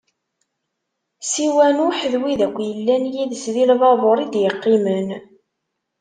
Siwa Nuḥ d wid akk yellan yid-s di lbabuṛ i d-iqqimen.